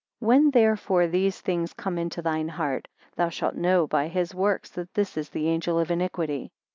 When therefore these things come into thine heart; thou shalt know by his works, that this is the angel of iniquity.